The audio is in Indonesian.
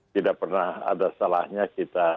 tidak pernah ada salahnya kita